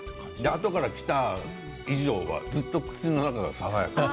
あとからきた以上はずっと口の中が爽やか。